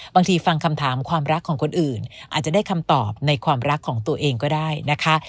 บางทีฟังคำถามความรักของคนอื่นอาจจะได้คำตอบในความรักของตัวเองก็ได้นะคะ